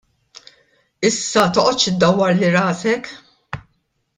Issa toqgħodx iddawwarli rasek!